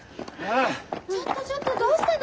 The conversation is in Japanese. ちょっとちょっとどうしたの！？